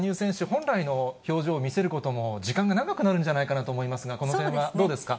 本来の表情を見せることも、時間が長くなるんじゃないかなと思いますが、この点はどうですか。